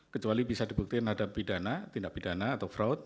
kecuali bisa dibuktikan ada pidana tindak pidana atau fraud